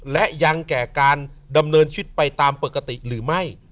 และยังแก่การดำเนินชีวิตไปตามปกติหรือไม่